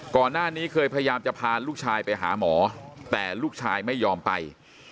ก่อนหน้านี้เคยพยายามจะพาลูกชายไปหาหมอแต่ลูกชายไม่ยอมไป